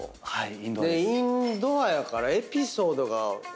インドアやからエピソードが起きない。